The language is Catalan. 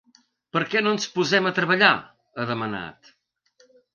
Per què no ens posem a treballar?, ha demanat.